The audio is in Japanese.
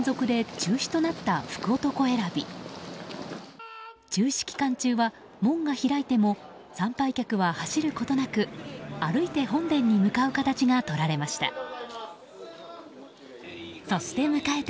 中止期間中は、門が開いても参拝客は走ることなく歩いて本殿に向かう形がとられました。